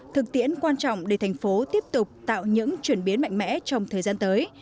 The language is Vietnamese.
thực tiễn quan trọng để thành phố tiếp tục tạo những chuyển biến mạnh mẽ trong thời gian tới